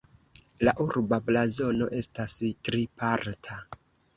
La urba blazono estas triparta.